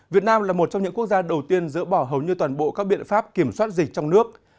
việt nam là một trong những quốc gia đầu tiên dỡ bỏ hầu như toàn bộ các biện pháp kiểm soát dịch trong nước